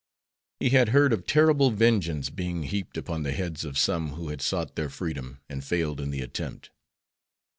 He had heard of terrible vengeance being heaped upon the heads of some who had sought their freedom and failed in the attempt.